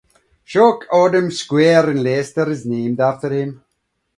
Shaykh Adam Square in Leicester is named after him.